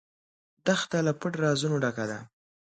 دښته له پټ رازونو ډکه ده.